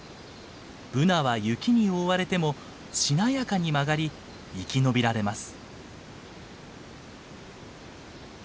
ブナは雪に覆われてもしなやかに曲がり生き延びられます。